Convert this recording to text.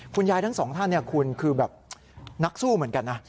ทั้งสองท่านคุณคือแบบนักสู้เหมือนกันนะ